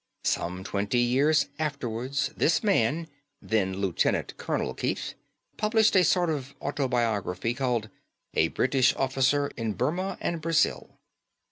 Some twenty years afterwards this man, then Lieutenant Colonel Keith, published a sort of autobiography called 'A British Officer in Burmah and Brazil.